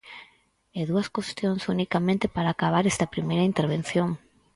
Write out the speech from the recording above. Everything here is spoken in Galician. E dúas cuestións unicamente para acabar esta primeira intervención.